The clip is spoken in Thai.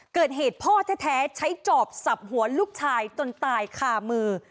เกิดเหตุพ่อแท้ใช้จอบสับหัวลูกชายจนตายคามือ